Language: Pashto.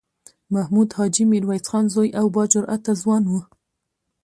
محمود حاجي میرویس خان زوی او با جرئته ځوان و.